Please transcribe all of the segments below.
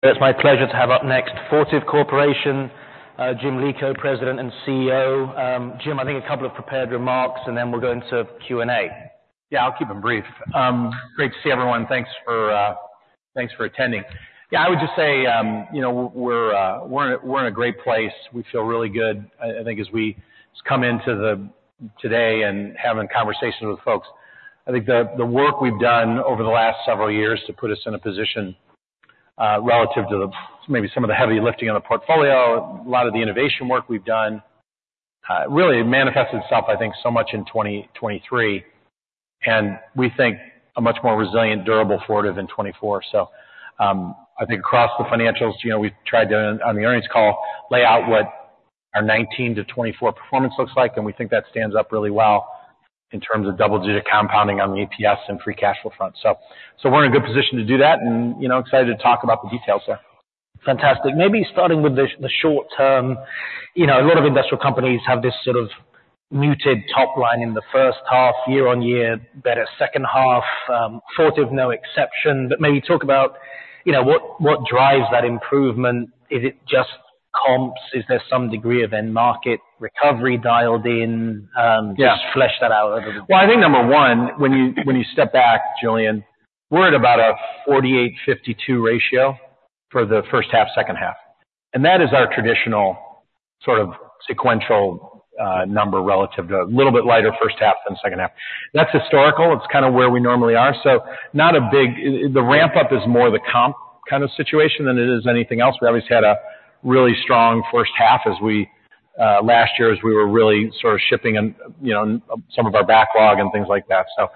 It's my pleasure to have up next Fortive Corporation, Jim Lico, President and CEO. Jim, I think a couple of prepared remarks, and then we'll go into Q&A. Yeah, I'll keep them brief. Great to see everyone. Thanks for attending. Yeah, I would just say, you know, we're in a great place. We feel really good, I think, as we just come into today and having conversations with folks. I think the work we've done over the last several years to put us in a position, relative to maybe some of the heavy lifting on the portfolio, a lot of the innovation work we've done, really manifested itself, I think, so much in 2023, and we think a much more resilient, durable Fortive in 2024. So, I think across the financials, you know, we've tried to, on the earnings call, lay out what our 2019 to 2024 performance looks like, and we think that stands up really well in terms of double-digit compounding on the EPS and free cash flow front. So, so we're in a good position to do that, and, you know, excited to talk about the details there. Fantastic. Maybe starting with the short-term, you know, a lot of industrial companies have this sort of muted top line in the first half, year-on-year, better second half, Fortive no exception. But maybe talk about, you know, what drives that improvement. Is it just comps? Is there some degree of end-market recovery dialed in, just flesh that out a little bit? Yeah. Well, I think number one, when you step back, Julian, we're at about a 48/52 ratio for the first half, second half. And that is our traditional sort of sequential number relative to a little bit lighter first half than second half. That's historical. It's kind of where we normally are. So not a big issue, the ramp-up is more the comp kind of situation than it is anything else. We obviously had a really strong first half as we last year, as we were really sort of shipping and, you know, some of our backlog and things like that. So,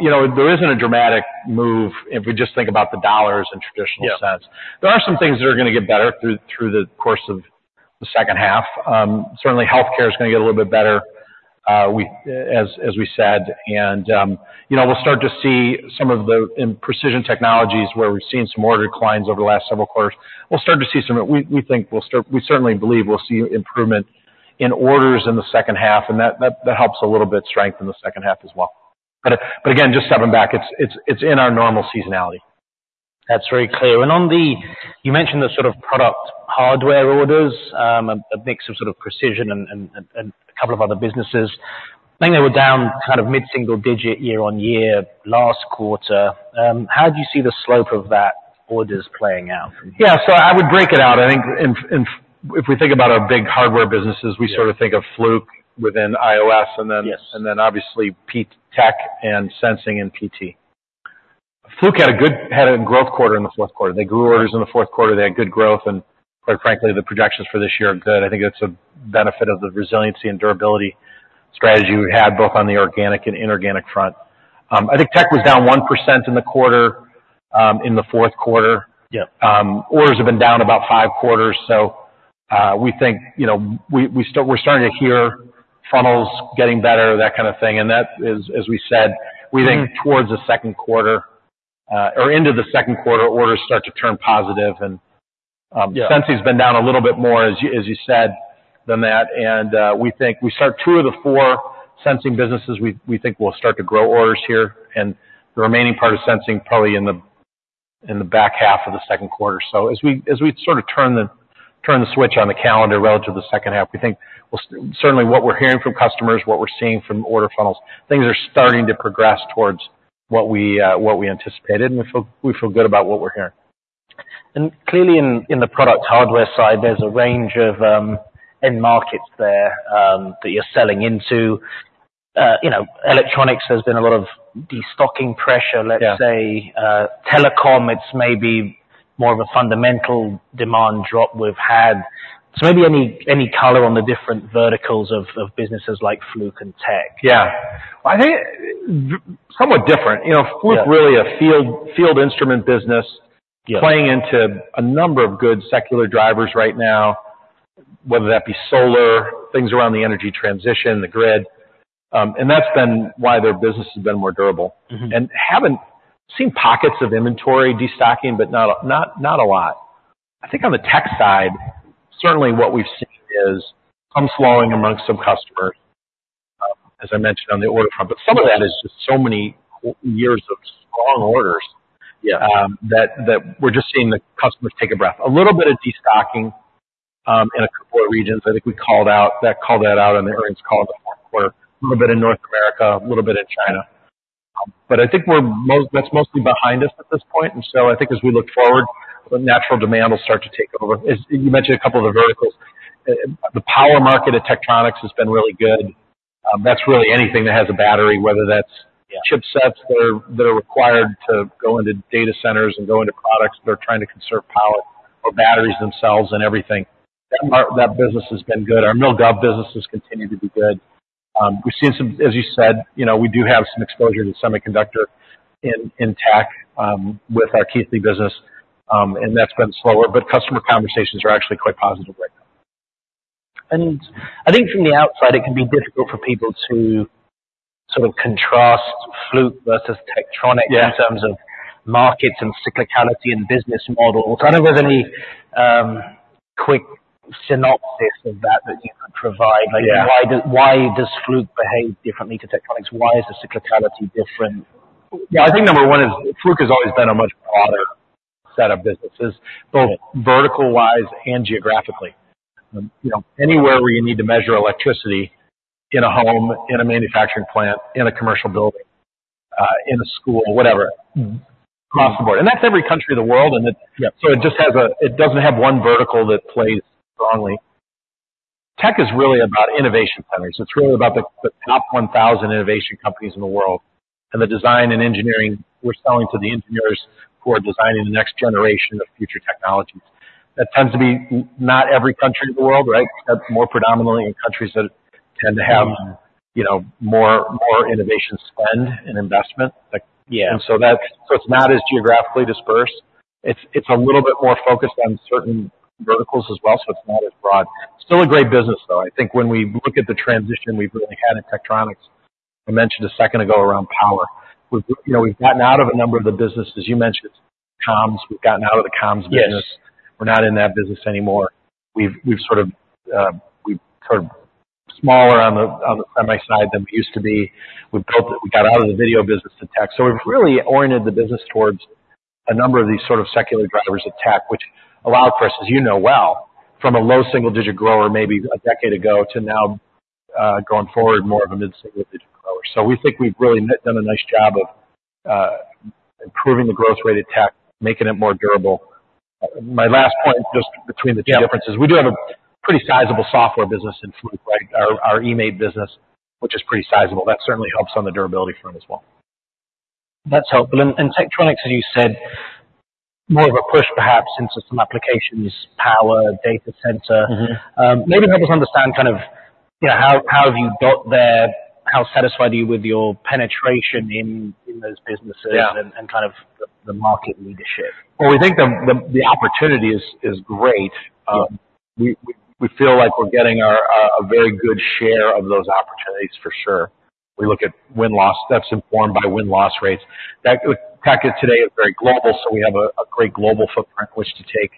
you know, there isn't a dramatic move if we just think about the dollars in traditional sense. Yeah. There are some things that are gonna get better through the course of the second half. Certainly, healthcare's gonna get a little bit better, as we said. You know, we'll start to see some of the in Precision Technologies where we've seen some order declines over the last several quarters, we certainly believe we'll see improvement in orders in the second half, and that helps a little bit strengthen the second half as well. But again, just stepping back, it's in our normal seasonality. That's very clear. On the you mentioned the sort of product hardware orders, a mix of sort of precision and a couple of other businesses. I think they were down kind of mid-single-digit year-on-year last quarter. How do you see the slope of that orders playing out from here? Yeah, so I would break it out. I think if we think about our big hardware businesses, we sort of think of Fluke within iOS, and then. Yes. Obviously Tek, sensing and PT. Fluke had a good growth quarter in the fourth quarter. They grew orders in the fourth quarter. They had good growth, and quite frankly, the projections for this year are good. I think that's a benefit of the resiliency and durability strategy we had both on the organic and inorganic front. I think Tek was down 1% in the quarter, in the fourth quarter. Yep. Orders have been down about five quarters. So, we think, you know, we're starting to hear funnels getting better, that kind of thing. And that is, as we said, we think towards the second quarter, or into the second quarter, orders start to turn positive. Yeah. Sensing's been down a little bit more, as you said, than that. And, we think we'll start two of the four sensing businesses. We think we'll start to grow orders here, and the remaining part of sensing probably in the back half of the second quarter. So as we sort of turn the switch on the calendar relative to the second half, we think we'll certainly. What we're hearing from customers, what we're seeing from order funnels, things are starting to progress towards what we anticipated, and we feel good about what we're hearing. Clearly, in the product hardware side, there's a range of end markets there that you're selling into. You know, electronics, there's been a lot of destocking pressure, let's say. Yeah. Telecom, it's maybe more of a fundamental demand drop we've had. So maybe any, any color on the different verticals of, of businesses like Fluke and tech. Yeah. I think it's somewhat different. You know, Fluke's really a field, field instrument business. Yes. Playing into a number of good secular drivers right now, whether that be solar, things around the energy transition, the grid. And that's been why their business has been more durable. Mm-hmm. Haven't seen pockets of inventory destocking, but not a lot. I think on the tech side, certainly, what we've seen is pumps flowing amongst some customers, as I mentioned, on the order front. But some of that is just so many years of strong orders. Yeah. that we're just seeing the customers take a breath. A little bit of destocking, in a couple of regions. I think we called that out on the earnings call in the fourth quarter, a little bit in North America, a little bit in China. But I think that's mostly behind us at this point. And so I think as we look forward, the natural demand will start to take over. As you mentioned a couple of the verticals, the power market at Tektronix has been really good. That's really anything that has a battery, whether that's. Yeah. Chipsets that are required to go into data centers and go into products that are trying to conserve power or batteries themselves and everything. That margin that business has been good. Our Mil-Gov business has continued to be good. We've seen some, as you said, you know, we do have some exposure to semiconductor in tech, with our Keithley business, and that's been slower. But customer conversations are actually quite positive right now. I think from the outside, it can be difficult for people to sort of contrast Fluke versus Tektronix. Yeah. In terms of markets and cyclicality and business models. I don't know if there's any quick synopsis of that that you could provide. Like. Yeah. Why does Fluke behave differently to Tektronix? Why is the cyclicality different? Yeah, I think number one is Fluke has always been a much broader set of businesses, both vertical-wise and geographically. You know, anywhere where you need to measure electricity in a home, in a manufacturing plant, in a commercial building, in a school, whatever. Mm-hmm. Across the board. That's every country of the world, and it. Yeah. So it just has, it doesn't have one vertical that plays strongly. Tech is really about innovation centers. It's really about the top 1,000 innovation companies in the world and the design and engineering we're selling to the engineers who are designing the next generation of future technologies. That tends to be not every country of the world, right? That's more predominantly in countries that tend to have. Mm-hmm. You know, more innovation spend and investment. Like. Yeah. And so that's, so it's not as geographically dispersed. It's, it's a little bit more focused on certain verticals as well, so it's not as broad. Still a great business, though. I think when we look at the transition we've really had at Tektronix, I mentioned a second ago around power, we've, you know, we've gotten out of a number of the businesses. You mentioned comms. We've gotten out of the comms business. Yes. We're not in that business anymore. We've sort of smaller on the semi side than we used to be. We got out of the video business at Tek. So we've really oriented the business towards a number of these sort of secular drivers of tech, which allowed for us, as you know well, from a low single-digit grower maybe a decade ago to now, going forward, more of a mid-single-digit grower. So we think we've really done a nice job of improving the growth rate of tech, making it more durable. My last point just between the two differences. Yeah. We do have a pretty sizable software business in Fluke, right, our, our eMaint business, which is pretty sizable. That certainly helps on the durability front as well. That's helpful. And Tektronix, as you said, more of a push perhaps into some applications, power, data center. Mm-hmm. Maybe help us understand kind of, you know, how have you got there? How satisfied are you with your penetration in those businesses. Yeah. And kind of the market leadership? Well, we think the opportunity is great. Yeah. We feel like we're getting a very good share of those opportunities for sure. We look at win-loss that's informed by win-loss rates. That the tech today is very global, so we have a great global footprint, which to take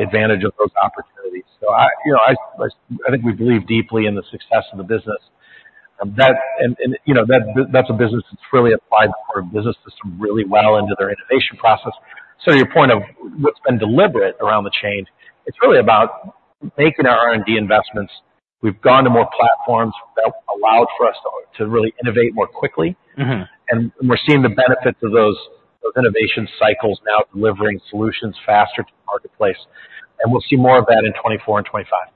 advantage of those opportunities. So I, you know, I think we believe deeply in the success of the business. That and, and, you know, that's a business that's really applied the core business system really well into their innovation process. So to your point of what's been deliberate around the change, it's really about making our R&D investments. We've gone to more platforms that allowed for us to really innovate more quickly. Mm-hmm. We're seeing the benefits of those innovation cycles now delivering solutions faster to the marketplace. We'll see more of that in 2024 and 2025.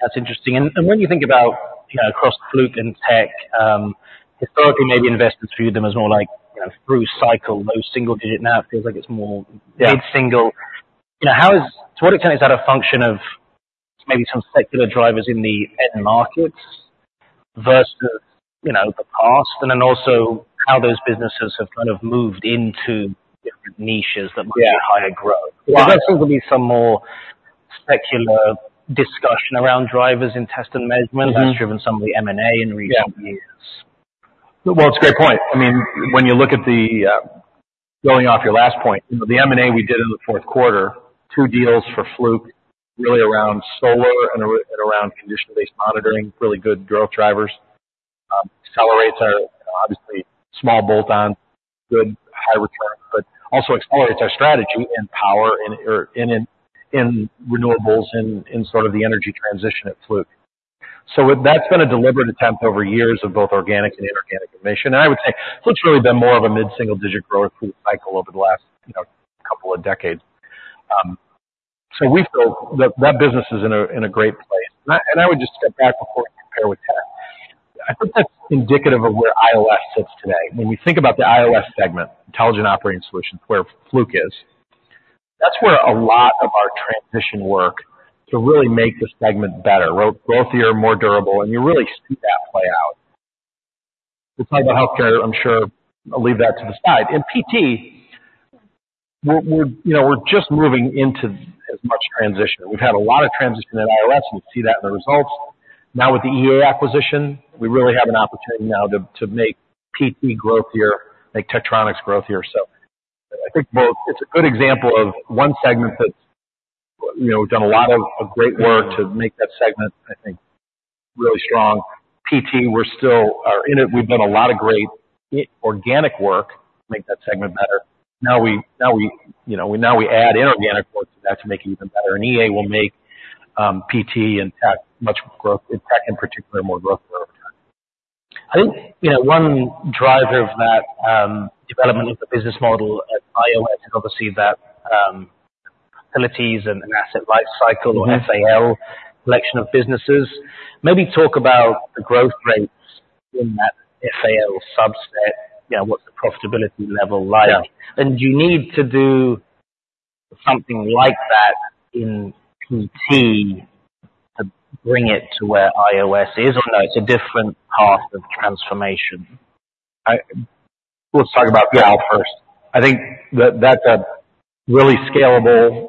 That's interesting. And when you think about, you know, across Fluke and Tek, historically, maybe investments for you, them is more like, you know, through cycle, low single-digit. Now it feels like it's more. Yeah. Mid-single. You know, how is to what extent is that a function of maybe some secular drivers in the end markets versus, you know, the past? And then also how those businesses have kind of moved into different niches that might. Yeah. Give higher growth. Yeah. Because that seems to be some more secular discussion around drivers in test and measurement. Yeah. That's driven some of the M&A in recent years. Yeah. Well, it's a great point. I mean, when you look at the, going off your last point, you know, the M&A we did in the fourth quarter, two deals for Fluke, really around solar and around condition-based monitoring, really good growth drivers. Accelerates our, you know, obviously, small bolt-on, good, high return, but also accelerates our strategy in power and or in, in, in renewables, in, in sort of the energy transition at Fluke. So it's been a deliberate attempt over years of both organic and inorganic acquisition. And I would say Fluke's really been more of a mid-single-digit grower through cycle over the last, you know, couple of decades. So we feel that that business is in a great place. And I would just step back before we compare with tech. I think that's indicative of where iOS sits today. When we think about the iOS segment, intelligent operating solutions, where Fluke is, that's where a lot of our transition work to really make this segment better, growthier, more durable, and you really see that play out. We talk about healthcare, I'm sure. I'll leave that to the side. In PT, we're, you know, just moving into as much transition. We've had a lot of transition in iOS, and you see that in the results. Now with the EA acquisition, we really have an opportunity now to make PT growthier, make Tektronix growthier. So I think both it's a good example of one segment that's, you know, done a lot of great work to make that segment, I think, really strong. PT, we're still in it. We've done a lot of great inorganic work to make that segment better. Now we, you know, we add inorganic work to that to make it even better. EA will make PT and Tek much growth in Tek in particular, more growth over time. I think, you know, one driver of that, development of the business model at iOS is obviously that, Facilities and Asset Lifecycle. Mm-hmm. Or FAL, selection of businesses. Maybe talk about the growth rates in that FAL subset. You know, what's the profitability level like? Yeah. Do you need to do something like that in PT to bring it to where iOS is, or no, it's a different path of transformation? Let's talk about. Yeah. FAL first. I think that that's a really scalable,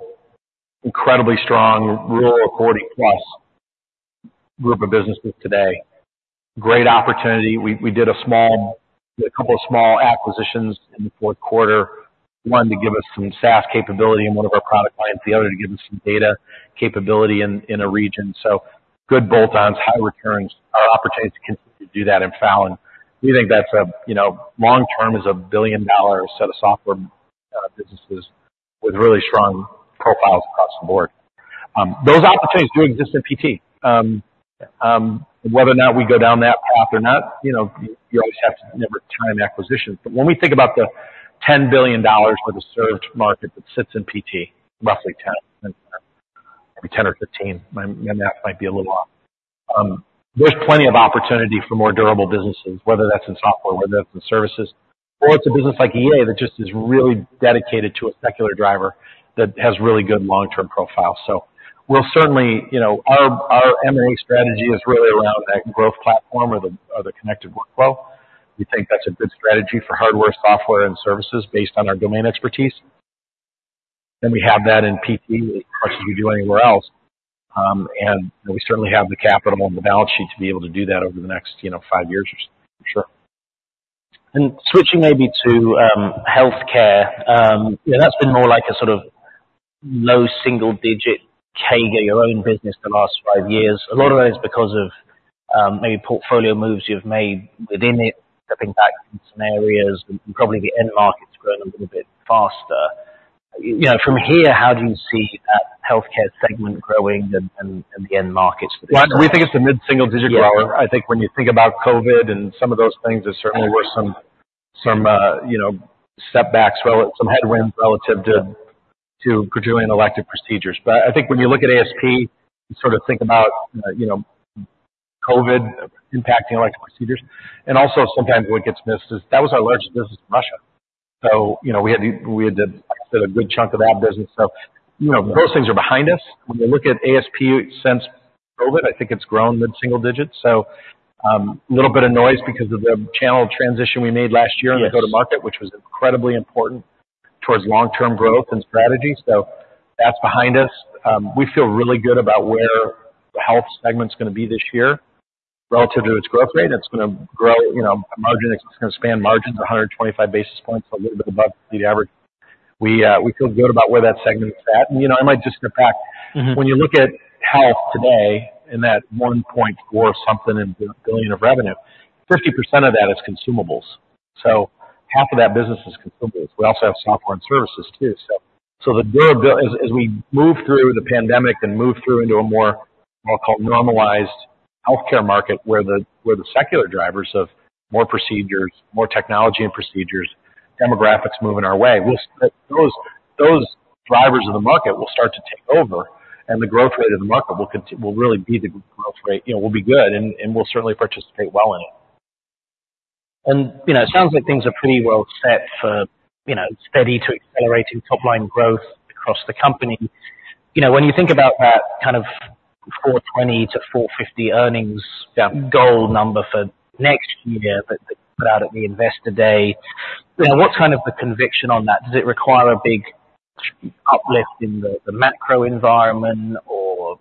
incredibly strong rule-according plus group of businesses today. Great opportunity. We did a couple of small acquisitions in the fourth quarter, one to give us some SaaS capability in one of our product lines, the other to give us some data capability in, in a region. So good bolt-ons, high returns, opportunities to continue to do that in FAL. We think that's a, you know, long-term is a billion-dollar set of software businesses with really strong profiles across the board. Those opportunities do exist in PT. Whether or not we go down that path or not, you know, you always have to time acquisitions. But when we think about the $10 billion for the served market that sits in PT, roughly 10, 10, maybe 10 or 15. My, my math might be a little off. There's plenty of opportunity for more durable businesses, whether that's in software, whether that's in services, or it's a business like EA that just is really dedicated to a secular driver that has really good long-term profiles. So we'll certainly, you know, our, our M&A strategy is really around that growth platform or the or the connected workflow. We think that's a good strategy for hardware, software, and services based on our domain expertise. And we have that in PT as much as we do anywhere else. And, you know, we certainly have the capital and the balance sheet to be able to do that over the next, you know, five years or so, for sure. Switching maybe to healthcare. You know, that's been more like a sort of low single-digit CAGR, your own business, the last five years. A lot of that is because of maybe portfolio moves you've made within it, stepping back in some areas, and probably the end market's grown a little bit faster. You know, from here, how do you see that healthcare segment growing and the end markets for this? Well, we think it's a mid-single-digit grower. I think when you think about COVID and some of those things, there certainly were some, you know, setbacks, some headwinds relative to curtailing elective procedures. But I think when you look at ASP, you sort of think about, you know, COVID impacting elective procedures. And also sometimes what gets missed is that was our largest business in Russia. So, you know, we had to, like I said, a good chunk of that business. So, you know, those things are behind us. When you look at ASP since COVID, I think it's grown mid-single digit. So, a little bit of noise because of the channel transition we made last year in the go-to-market. Yeah. Which was incredibly important towards long-term growth and strategy. So that's behind us. We feel really good about where the health segment's gonna be this year relative to its growth rate. It's gonna grow, you know, margin it's gonna span margins, 125 basis points, a little bit above the average. We, we feel good about where that segment is at. And, you know, I might just step back. Mm-hmm. When you look at health today in that $1.4 billion of revenue, 50% of that is consumables. So half of that business is consumables. We also have software and services too. So the durables, as we move through the pandemic and move through into a more what I'll call normalized healthcare market where the secular drivers of more procedures, more technology and procedures, demographics moving our way, we'll see those, those drivers of the market will start to take over, and the growth rate of the market will continue to really be the growth rate. You know, we'll be good, and we'll certainly participate well in it. You know, it sounds like things are pretty well set for, you know, steady to accelerating top-line growth across the company. You know, when you think about that kind of $420-$450 earnings. Yeah. Goal number for next year that you put out at the investor day, you know, what's kind of the conviction on that? Does it require a big uplift in the macro environment or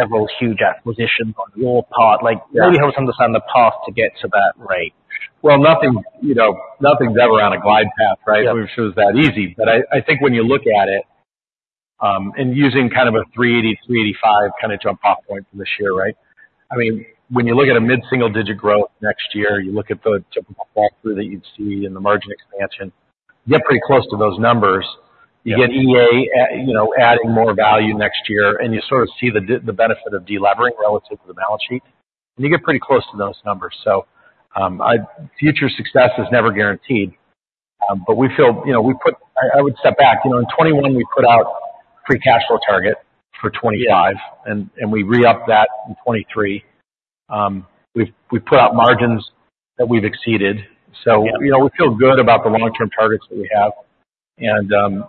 several huge acquisitions on your part? Like. Yeah. Maybe help us understand the path to get to that rate. Well, nothing, you know, nothing's ever on a glide path, right? Yeah. We're sure it's that easy. But I think when you look at it, and using kind of a $3.80-$3.85 kinda jump-off point for this year, right, I mean, when you look at a mid-single-digit growth next year, you look at the typical fall-through that you'd see and the margin expansion, you get pretty close to those numbers. You get EA, you know, adding more value next year, and you sort of see the benefit of delevering relative to the balance sheet. And you get pretty close to those numbers. So, our future success is never guaranteed. But we feel, you know, I would step back. You know, in 2021, we put out free cash flow target for 2025. Yeah. And we re-up that in 2023. We've put out margins that we've exceeded. Yeah. So you know we feel good about the long-term targets that we have. You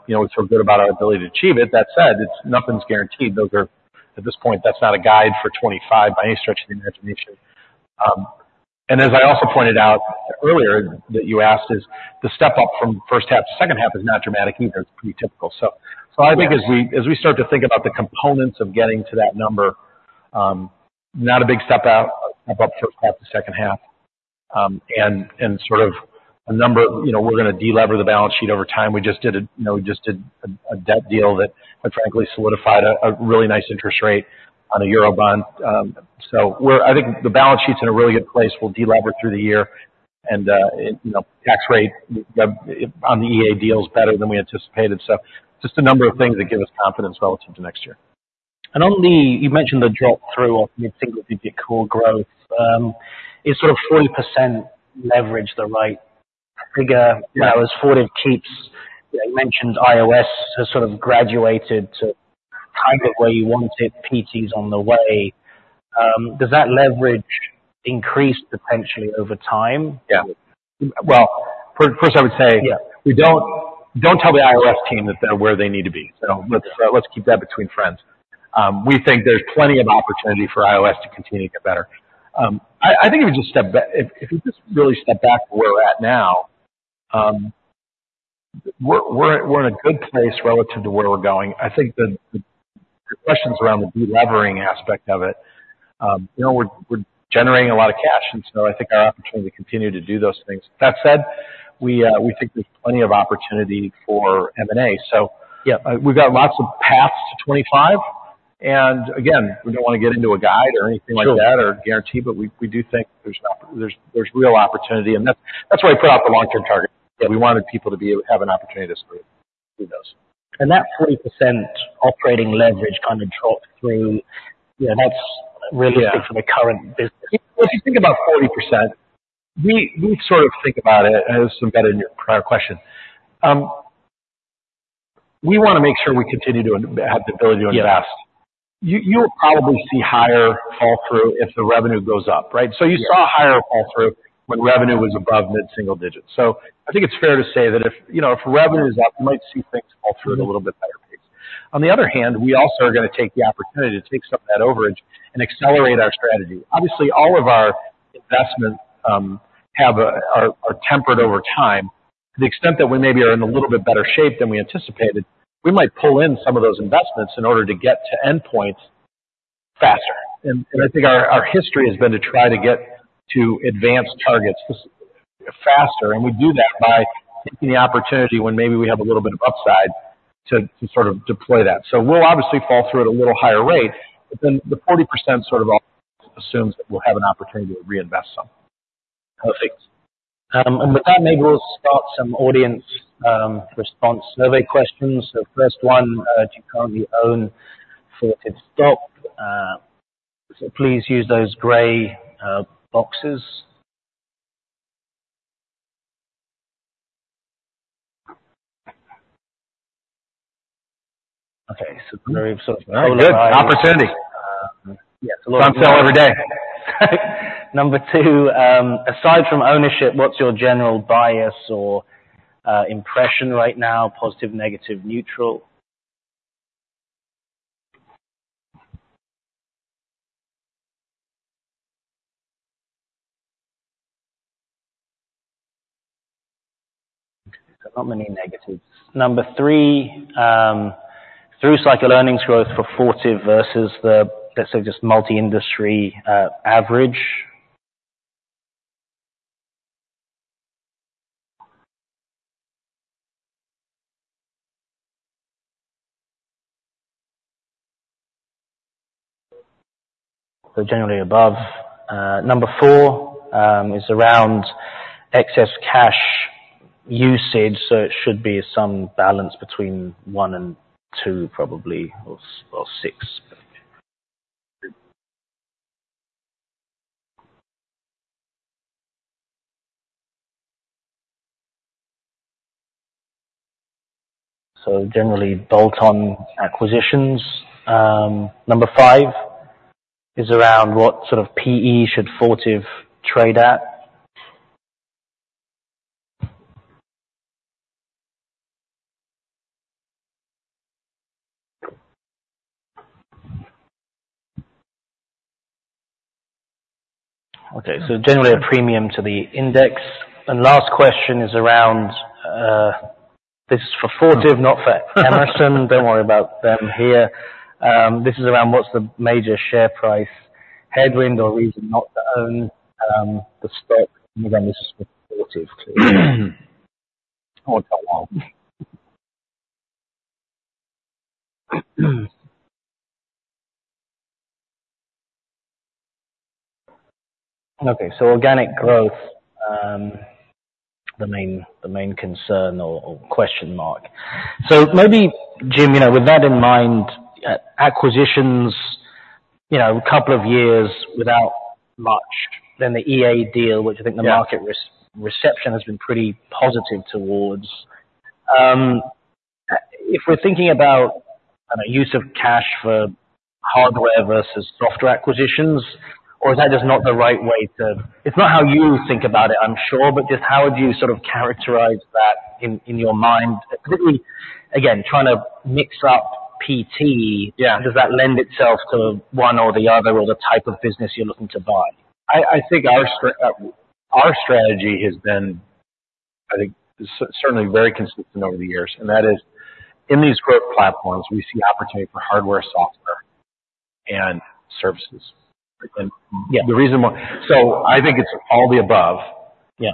know, we feel good about our ability to achieve it. That said, it's nothing's guaranteed. Those are at this point, that's not a guide for 2025 by any stretch of the imagination. And as I also pointed out earlier that you asked is the step-up from first half to second half is not dramatic either. It's pretty typical. So, I think. Yeah. As we start to think about the components of getting to that number, not a big step-out, step-up first half to second half, and sort of a number, you know, we're gonna delever the balance sheet over time. We just did a debt deal that frankly solidified a really nice interest rate on a eurobond. So we're, I think, the balance sheet's in a really good place. We'll delever through the year. And, you know, tax rate, the, the I on the EA deal's better than we anticipated. So just a number of things that give us confidence relative to next year. On the you mentioned the drop-through of mid-single-digit core growth. Is sort of 40% leverage the right figure? Yeah. Now, as Fortive keeps you know, you mentioned iOS has sort of graduated to kind of where you want it. PT's on the way. Does that leverage increase potentially over time? Yeah. Well, first, I would say. Yeah. We don't tell the iOS team that they're where they need to be. So let's keep that between friends. We think there's plenty of opportunity for iOS to continue to get better. I think if we just really step back to where we're at now, we're in a good place relative to where we're going. I think the questions around the delevering aspect of it, you know, we're generating a lot of cash. And so I think our opportunity to continue to do those things. That said, we think there's plenty of opportunity for M&A. So. Yeah. We've got lots of paths to 2025. And again, we don't wanna get into a guide or anything like that. Sure. No guarantee, but we do think there's opportunity. That's why we put out the long-term target. Yeah. We wanted people to be able have an opportunity to sleep, sleep those. That 40% operating leverage kind of drop-through, you know, that's realistic. Yeah. For the current business. Well, if you think about 40%, we, we sort of think about it as I'm getting into your prior question. We wanna make sure we continue to have the ability to invest. Yeah. You'll probably see higher fall-through if the revenue goes up, right? So you saw. Yeah. Higher fall-through when revenue was above mid-single digits. So I think it's fair to say that if, you know, if revenue's up, you might see things fall through at a little bit better pace. On the other hand, we also are gonna take the opportunity to take some of that overage and accelerate our strategy. Obviously, all of our investments are tempered over time. To the extent that we maybe are in a little bit better shape than we anticipated, we might pull in some of those investments in order to get to end points faster. And I think our history has been to try to get to advanced targets faster. And we do that by taking the opportunity when maybe we have a little bit of upside to sort of deploy that. We'll obviously fall through at a little higher rate, but then the 40% sort of always assumes that we'll have an opportunity to reinvest some. Perfect. With that, maybe we'll start some audience response survey questions. So first one, do you currently own Fortive stock? So please use those gray boxes. Okay. So very sort of polarized. Good opportunity. Yeah. It's a lot of. Don't sell every day. Number two, aside from ownership, what's your general bias or impression right now? Positive, negative, neutral? Okay. So not many negatives. Number three, through-cycle earnings growth for Fortive versus the, let's say, just multi-industry average? So generally above. Number four is around excess cash usage. So it should be some balance between one and two probably or six. So generally bolt-on acquisitions. Number five is around what sort of P/E should Fortive trade at? Okay. So generally a premium to the index. And last question is around, this is for Fortive, not for Emerson. Don't worry about them here. This is around what's the major share price headwind or reason not to own the stock. And again, this is for Fortive clearly. I won't tell you why. Okay. So organic growth, the main, the main concern or question mark. Maybe, Jim, you know, with that in mind, acquisitions, you know, a couple of years without much, then the EA deal, which I think the market. Yeah. Reception has been pretty positive towards. If we're thinking about, I don't know, use of cash for hardware versus software acquisitions, or is that just not the right way to. It's not how you think about it, I'm sure, but just how would you sort of characterize that in your mind? Particularly, again, trying to mix up PT. Yeah. Does that lend itself to one or the other or the type of business you're looking to buy? I think our strategy has been, I think, certainly very consistent over the years. And that is, in these growth platforms, we see opportunity for hardware, software, and services. And. Yeah. The reason why, so I think it's all the above. Yeah.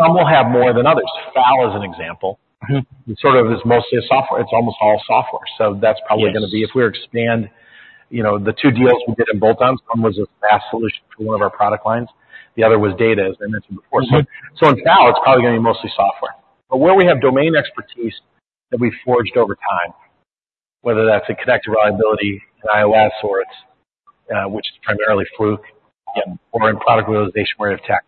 Some will have more than others. FAL is an example. Mm-hmm. It sort of is mostly a software. It's almost all software. So that's probably gonna be. Yeah. If we expand, you know, the two deals we did in bolt-ons, one was a SaaS solution for one of our product lines. The other was data, as I mentioned before. So in FAL, it's probably gonna be mostly software. But where we have domain expertise that we've forged over time, whether that's in Connected Reliability in iOS or it's, which is primarily Fluke, again, or in product realization where you have Tek,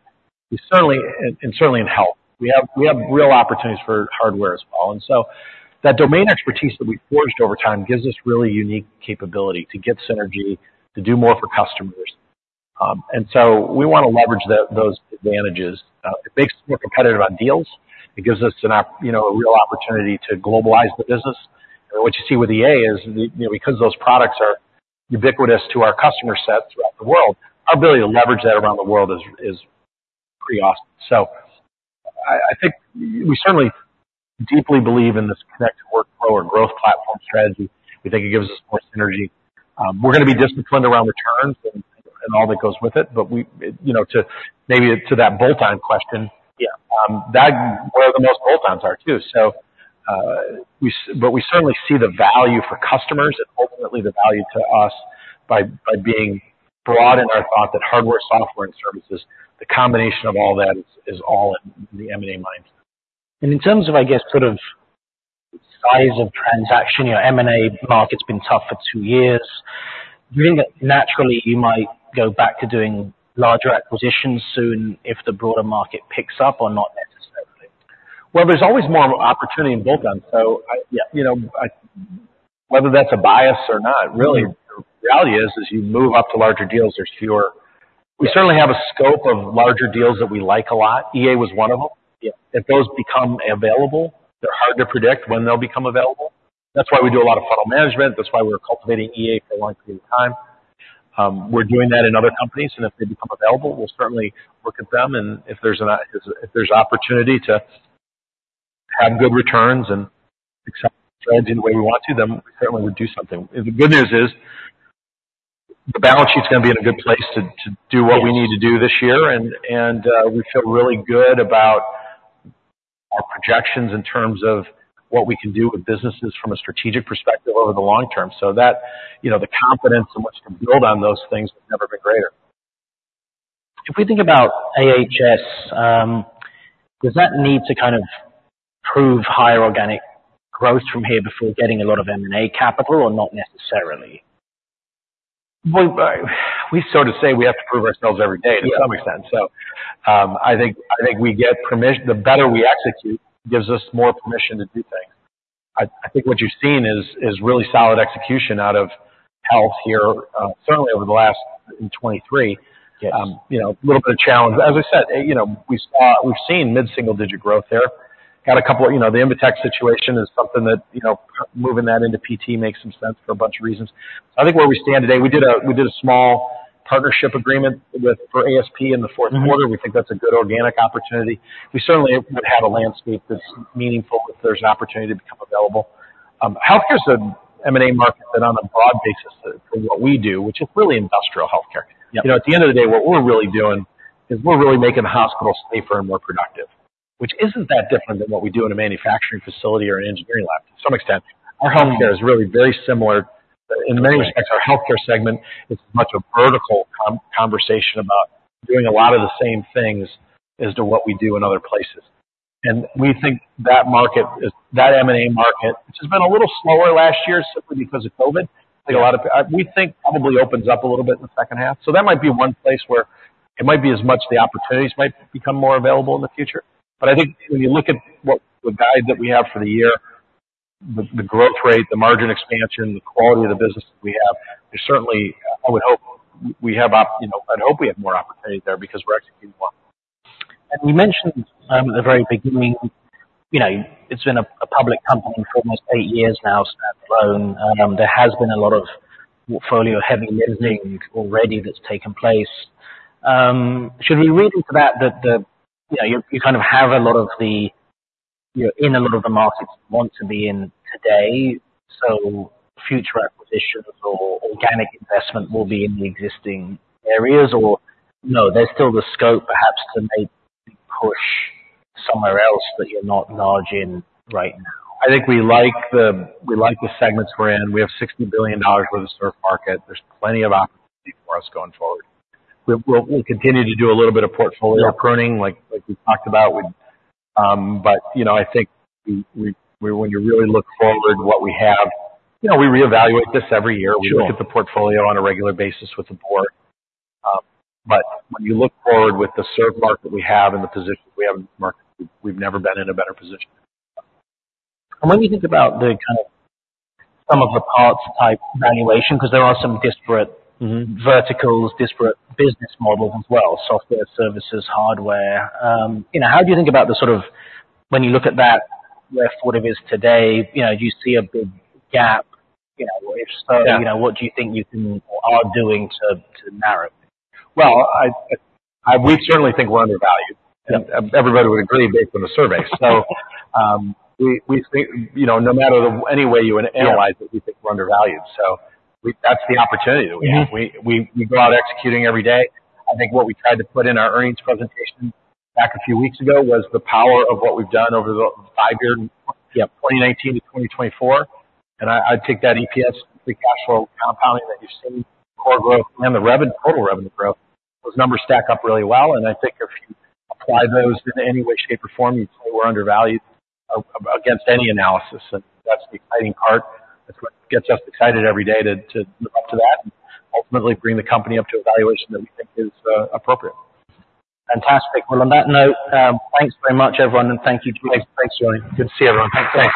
we certainly, and certainly in health, we have real opportunities for hardware as well. And so that domain expertise that we've forged over time gives us really unique capability to get synergy, to do more for customers. And so we wanna leverage those advantages. It makes us more competitive on deals. It gives us an opportunity, you know, a real opportunity to globalize the business. What you see with EA is, you know, because those products are ubiquitous to our customer set throughout the world, our ability to leverage that around the world is pretty awesome. So I think we certainly deeply believe in this connective workflow or growth platform strategy. We think it gives us more synergy. We're gonna be disciplined around returns and all that goes with it. But we, you know, to maybe to that bolt-on question. Yeah. That's where the most bolt-ons are too. So, we see, but we certainly see the value for customers and ultimately the value to us by, by being broad in our thought that hardware, software, and services, the combination of all that is, is all in the M&A mindset. In terms of, I guess, sort of size of transaction, you know, M&A market's been tough for two years. Do you think that naturally, you might go back to doing larger acquisitions soon if the broader market picks up or not necessarily? Well, there's always more opportunity in bolt-ons. So, yeah. You know, whether that's a bias or not, really, the reality is, as you move up to larger deals, there's fewer. We certainly have a scope of larger deals that we like a lot. EA was one of them. Yeah. If those become available, they're hard to predict when they'll become available. That's why we do a lot of funnel management. That's why we're cultivating EA for a long period of time. We're doing that in other companies. And if they become available, we'll certainly look at them. And if there's opportunity to have good returns and accept the strategy the way we want to, then we certainly would do something. And the good news is the balance sheet's gonna be in a good place to do what we need to do this year. And we feel really good about our projections in terms of what we can do with businesses from a strategic perspective over the long term. So that, you know, the confidence in which to build on those things has never been greater. If we think about AHS, does that need to kind of prove higher organic growth from here before getting a lot of M&A capital or not necessarily? Well, we sort of say we have to prove ourselves every day to some extent. Yeah. So, I think we get permission the better we execute gives us more permission to do things. I think what you've seen is really solid execution out of health here, certainly over the last in 2023. Yes. You know, a little bit of challenge. As I said, you know, we've seen mid-single digit growth there. Got a couple you know, the Invetech situation is something that, you know, moving that into PT makes some sense for a bunch of reasons. I think where we stand today, we did a small partnership agreement with for ASP in the fourth quarter. Yeah. We think that's a good organic opportunity. We certainly would have a landscape that's meaningful if there's an opportunity to become available. Healthcare's an M&A market that, on a broad basis, for what we do, which is really industrial healthcare. Yeah. You know, at the end of the day, what we're really doing is we're really making hospitals safer and more productive, which isn't that different than what we do in a manufacturing facility or an engineering lab to some extent. Our healthcare. Yeah. Is really very similar. In many respects. Yeah. Our healthcare segment is much of vertical conversation about doing a lot of the same things as to what we do in other places. And we think that market is that M&A market, which has been a little slower last year simply because of COVID. I think a lot of we think probably opens up a little bit in the second half. So that might be one place where it might be as much the opportunities might become more available in the future. But I think when you look at what the guide that we have for the year, the growth rate, the margin expansion, the quality of the business that we have, there's certainly I would hope we have you know, I'd hope we have more opportunity there because we're executing well. You mentioned, at the very beginning, you know, it's been a public company for almost eight years now, standalone. There has been a lot of portfolio-heavy listing already that's taken place. Should we read into that that the, you know, you, you kind of have a lot of the, you're in a lot of the markets you want to be in today? So future acquisitions or organic investment will be in the existing areas? Or no, there's still the scope perhaps to maybe push somewhere else that you're not large in right now? I think we like the segments we're in. We have $60 billion worth of surf market. There's plenty of opportunity for us going forward. We'll continue to do a little bit of portfolio pruning like we talked about. But, you know, I think when you really look forward what we have you know, we reevaluate this every year. Sure. We look at the portfolio on a regular basis with the board. But when you look forward with the SaaS market we have and the positions we have in this market, we've never been in a better position. When you think about the kind of some of the parts-type valuation 'cause there are some disparate. Mm-hmm. Verticals, disparate business models as well: software, services, hardware. You know, how do you think about the sort of when you look at that where Fortive is today, you know, do you see a big gap? You know, if so. Yeah. You know, what do you think you can or are doing to narrow it? Well, we certainly think we're undervalued. Yeah. Everybody would agree based on the survey. So, we, we think you know, no matter the any way you analyze it. Yeah. We think we're undervalued. So that's the opportunity that we have. Yeah. We go out executing every day. I think what we tried to put in our earnings presentation back a few weeks ago was the power of what we've done over the five years. Yeah. 2019 to 2024. And I, I'd take that EPS, free cash flow compounding that you've seen, core growth, and the revenue total revenue growth, those numbers stack up really well. And I think if you apply those in any way, shape, or form, you'd say we're undervalued against any analysis. And that's the exciting part. That's what gets us excited every day to move up to that and ultimately bring the company up to a valuation that we think is appropriate. Fantastic. Well, on that note, thanks very much, everyone. And thank you, James. Thanks, Tony. Good to see everyone. Thanks, James.